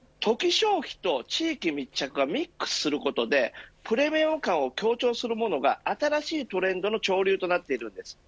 消費と地域密着がミックスすることでプレミアム感を強調するものが新しいトレンドの潮流となっているんです。